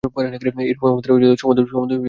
এইরূপ আমাদের সমুদয় জ্ঞানের সম্বন্ধেই।